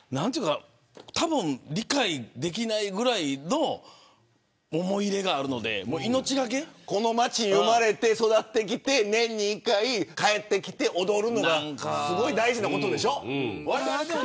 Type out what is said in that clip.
たぶん理解できないぐらいの思い入れがあるのでこの町に生まれ育って年に１回帰ってきて、踊るのがすごい大事なことでしょ。